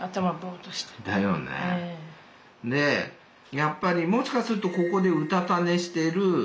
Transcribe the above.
やっぱりもしかするとここでうたた寝してる。